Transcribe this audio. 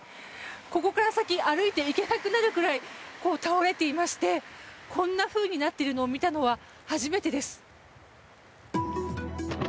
ここから先歩いていけなくなるぐらい倒れていましてこんなふうになっているのを見たのは初めてです。